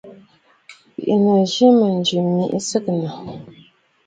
Bì’inǝ̀ jɨ mɨjɨ mì sɨgɨnǝ̀.